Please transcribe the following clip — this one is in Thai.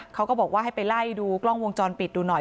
เขาก็บอกว่าให้ไปไล่ดูกล้องวงจรปิดดูหน่อย